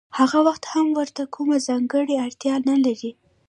هغه وخت هم ورته کومه ځانګړې اړتیا نلري